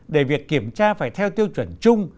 để việc kiểm tra phải theo tiêu chuẩn chung